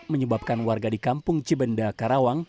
menyebabkan warga di kampung cibenda karawang